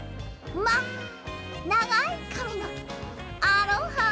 まあながいかみのアロハ！